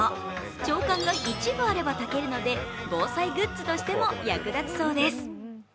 朝刊が１部あれば炊けるので防災グッズとしても役立つそうです。